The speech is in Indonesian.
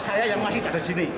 saya yang masih ada di sini